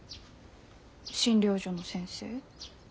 診療所の先生。